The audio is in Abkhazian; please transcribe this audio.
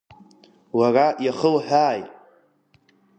Лара иахылҳәааи?